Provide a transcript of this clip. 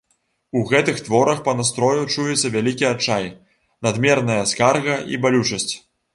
У гэтых творах па настрою чуецца вялікі адчай, надмерная скарга і балючасць.